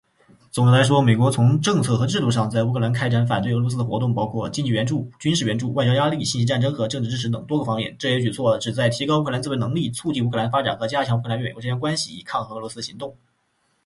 总的来说，美国从政策和制度上在乌克兰开展反对俄罗斯的活动包括经济援助、军事援助、外交压力、信息战争和政治支持等多个方面。这些举措旨在提高乌克兰的自卫能力、促进乌克兰的发展和加强乌克兰与美国之间的关系，以抗衡俄罗斯的行动。